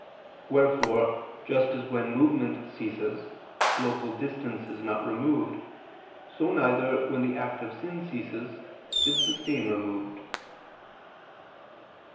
Wherefore, just as when movement ceases, local distance is not removed, so neither, when the act of sin ceases, is the stain removed.